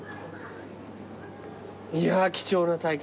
いや貴重な体験。